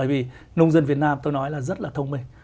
vì nông dân việt nam tôi nói là rất là thông minh